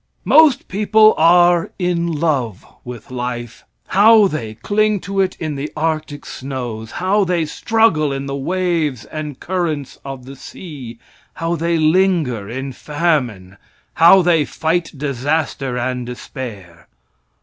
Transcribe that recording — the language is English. Most people are in love with life. How they cling to it in the arctic snows how they struggle in the waves and currents of the sea how they linger in famine how they fight disaster and despair!